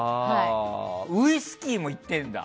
ウイスキーもいってるんだ。